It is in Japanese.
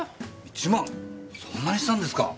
そんなにしたんですか？